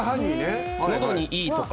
のどにいいとか。